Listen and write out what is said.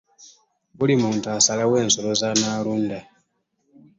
buli muntu asalawo ensolo zannalunda